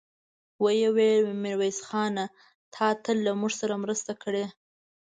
ويې ويل: ميرويس خانه! تا تل له موږ سره مرسته کړې.